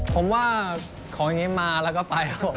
ผมว่าของยังไงมาแล้วก็ไป